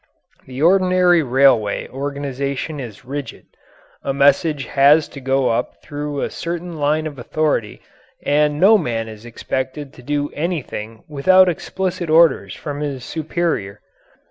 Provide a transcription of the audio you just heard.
The ordinary railway organization is rigid; a message has to go up through a certain line of authority and no man is expected to do anything without explicit orders from his superior.